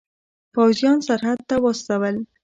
پوځیان سرحد ته واستول.